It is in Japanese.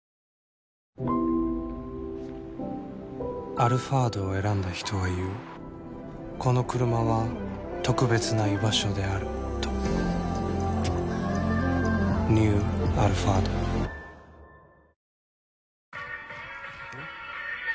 「アルファード」を選んだ人は言うこのクルマは特別な居場所であるとニュー「アルファード」フフフ。